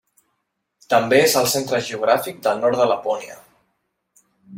També és el centre geogràfic del nord de Lapònia.